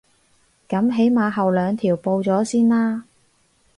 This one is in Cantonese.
噉起碼後兩條報咗先啦